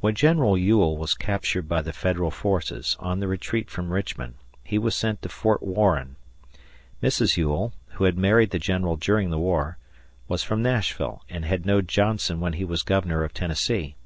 When General Ewell was captured by the Federal forces, on the retreat from Richmond, he was sent to Fort Warren. Mrs. Ewell who had married the general during the war was from Nashville, and had known Johnson when he was Governor of Tennessee.